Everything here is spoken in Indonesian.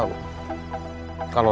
waktu itu lo udah tau